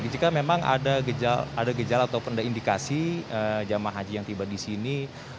jika memang ada gejala atau pendek indikasi jemaah haji yang tiba di sini